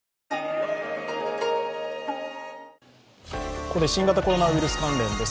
ここで新型コロナウイルス関連です。